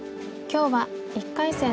今日は１回戦